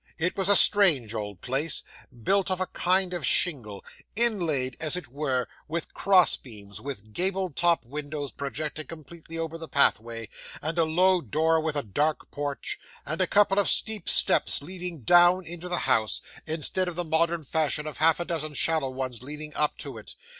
It was a strange old place, built of a kind of shingle, inlaid, as it were, with cross beams, with gabled topped windows projecting completely over the pathway, and a low door with a dark porch, and a couple of steep steps leading down into the house, instead of the modern fashion of half a dozen shallow ones leading up to it.